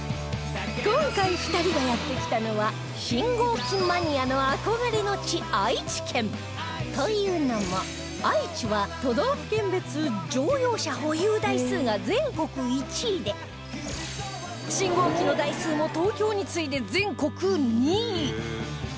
今回２人がやって来たのはというのも愛知は都道府県別乗用車保有台数が全国１位で信号機の台数も東京に次いで全国２位